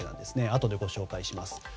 後でご紹介します。